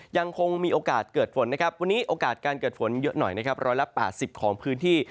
ยังคงมีโอกาสเกิดฝนนะครับวันนี้โอกาสการเกิดฝนเยอะหน่อยนะครับ๑๘๐ของพื้นที่